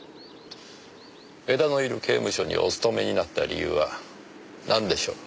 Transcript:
江田のいる刑務所にお勤めになった理由はなんでしょう？